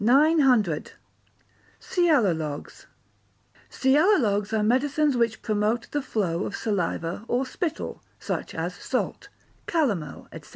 Sialogogues Sialogogues are medicines which promote the flow of saliva or spittle, such as salt, calomel, &c.